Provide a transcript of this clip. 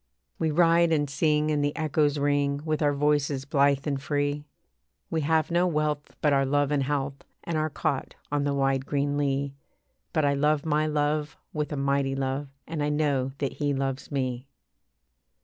We ride and sing, and the echoes ring With our voices blithe and free, We have no wealth but our love and health, And our cot on the wide green lea; But I love my love with a mighty love, And I know that he loves me.